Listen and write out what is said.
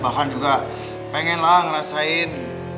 bahkan juga pengenlah ngerasain